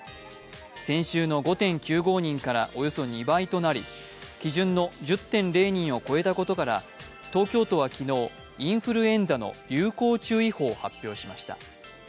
先週の５．９５人からおよそ２倍となり、基準の１０．０人を超えたことから東京都は昨日、インフルエンザの流行注意報を発表しました。